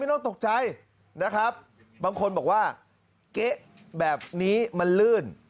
นะครับบางคนบอกว่าเกะแบบนี้มันเลื่อน